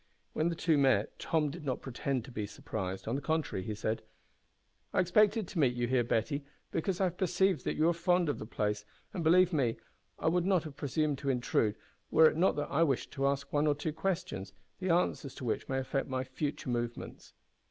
When the two met Tom did not pretend to be surprised. On the contrary, he said: "I expected to meet you here, Betty, because I have perceived that you are fond of the place, and, believe me, I would not have presumed to intrude, were it not that I wish to ask one or two questions, the answers to which may affect my future movements."